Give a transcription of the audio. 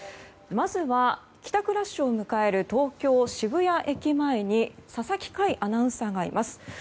まずは、帰宅ラッシュを迎える東京・渋谷駅前に佐々木快アナウンサーがいます。